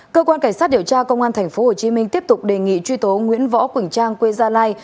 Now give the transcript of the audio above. cơ quan cảnh sát điều tra công an tp hcm tiếp tục đề nghị truy tố nguyễn võ quỳnh trang quê gia lai